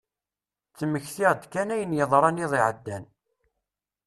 Ttmektiɣ-d kan ayen yeḍran iḍ iɛeddan.